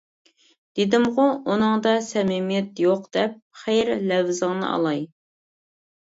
دېدىمغۇ، ئۇنىڭدا سەمىمىيەت يوق دەپ، خەير لەۋزىڭنى ئالاي!